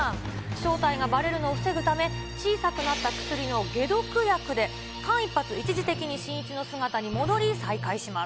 正体がばれるのを防ぐため、小さくなった薬の解毒薬で間一髪、一時的に新一の姿に戻り、再会します。